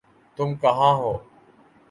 تم کہاں ہو؟